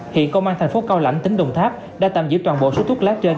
hiện công an thành phố cao lãnh tỉnh đồng tháp đã tạm giữ toàn bộ số thuốc lá trên